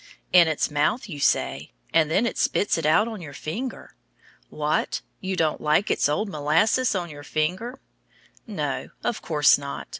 In its mouth, you say, and then it spits it out on your finger. What? You don't like its old molasses on your finger? No, of course not.